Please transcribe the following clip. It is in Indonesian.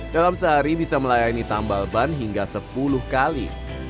dalam sehari bisa melayani tambal ban hingga sepuluh kali